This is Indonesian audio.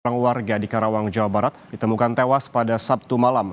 seorang warga di karawang jawa barat ditemukan tewas pada sabtu malam